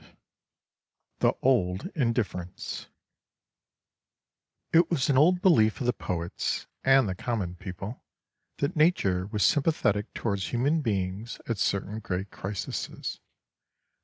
XVI THE OLD INDIFFERENCE It was an old belief of the poets and the common people that nature was sympathetic towards human beings at certain great crises.